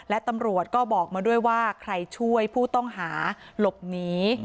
และตำรวจก็บอกมาด้วยว่าใครช่วยผู้ต้องหาหลบหนี